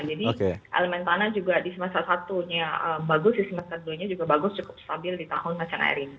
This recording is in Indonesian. jadi elemen tanah juga di semester satu nya bagus di semester dua nya juga bagus cukup stabil di tahun macan air ini